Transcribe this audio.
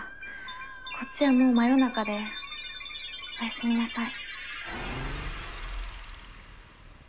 こっちはもう真夜中でおやすみなさい。